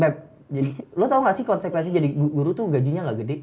lo tau gak sih konsekuensi jadi guru tuh gajinya gak gede